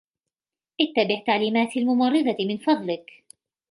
اتّبع تعليمات الممرضة ، من فضلك.